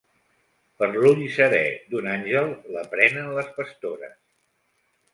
Per l'ull serè d'un àngel la prenen les pastores.